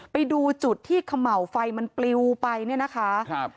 ไปดูจุดที่เขม่าวไฟมันปลิวไปเนี่ยนะคะครับ